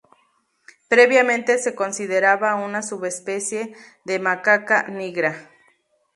Previamente se consideraba una subespecie de "Macaca nigra".